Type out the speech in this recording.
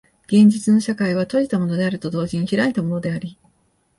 現実の社会は閉じたものであると同時に開いたものであり、